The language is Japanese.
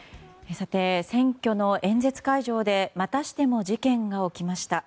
選挙の演説会場でまたしても事件が起きました。